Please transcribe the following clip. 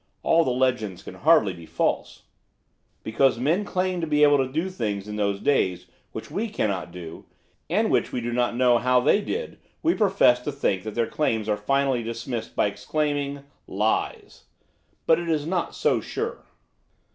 All the legends can hardly be false. Because men claimed to be able to do things in those days which we cannot do, and which we do not know how they did, we profess to think that their claims are finally dismissed by exclaiming lies! But it is not so sure.